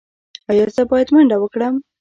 ایا زه باید منډه وکړم؟